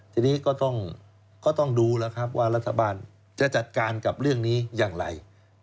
ทีนี้ก็ต้องดูแล้วครับว่ารัฐบาลจะจัดการกับเรื่องนี้อย่างไร